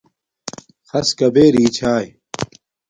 خَص کبݺ رِݵ چھݳئݺ؟